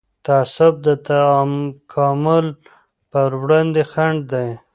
تعصب د تکامل پر وړاندې خنډ دی